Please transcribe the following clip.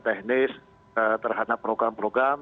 teknis terhadap program program